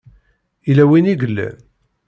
Yella win i yellan?